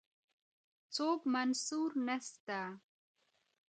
څوک منصور نسته